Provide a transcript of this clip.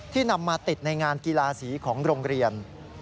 นำมาติดในงานกีฬาสีของโรงเรียน